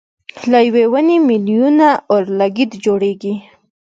له یوې ونې مېلیونه اورلګیت جوړېږي.